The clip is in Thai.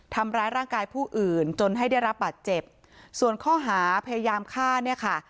ทำร้ายร่างกายผู้อื่นจนให้ได้รับบาดเจ็บส่วนข้อหาพยายามฆ่าเนี่ยค่ะ